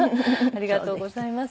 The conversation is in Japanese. ありがとうございます。